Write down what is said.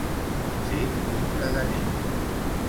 Ser un caganer.